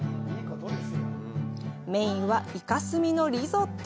メインはイカ墨のリゾット。